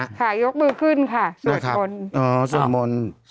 ค่ะยกมือขึ้นค่ะสวดมนต์